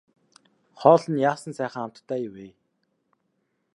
Хоол нь яасан сайхан амттай вэ.